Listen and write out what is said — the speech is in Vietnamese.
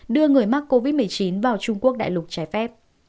đưa người mắc covid một mươi chín vào trung quốc đại lục trái phép